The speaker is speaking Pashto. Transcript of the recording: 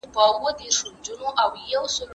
زه اوږده وخت د کتابتون کتابونه لوستل کوم،